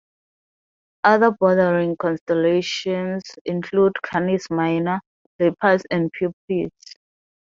Other bordering constellations include Canis Minor, Lepus and Puppis.